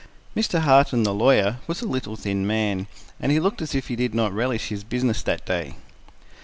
Mr. Harton, the lawyer, was a little, thin man, and he looked as if he did not relish his business that day.